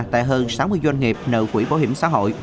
tại hơn sáu mươi doanh nghiệp nợ quỹ bảo hiểm xã hội